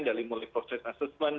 dari mulai proses assessment